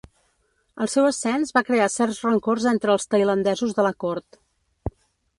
El seu ascens va crear certs rancors entre els tailandesos de la cort.